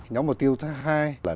nhóm mục tiêu thứ hai là